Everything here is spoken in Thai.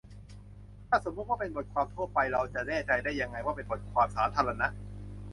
ถ้าสมมติว่าเป็นบทความทั่วไป เราจะแน่ใจได้ยังไงว่าเป็นบทความสาธารณะ